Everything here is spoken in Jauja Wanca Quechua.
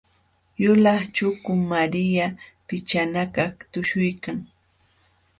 Yulaq chukum Maria pichanakaq tuśhuykan.